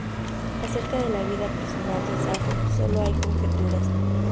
Acerca de la vida personal de Safo sólo hay conjeturas.